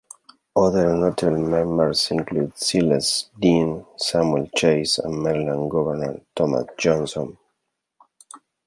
Other notable members included Silas Deane, Samuel Chase, and Maryland governor Thomas Johnson.